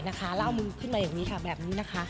แล้วเอามือขึ้นมาแบบนี้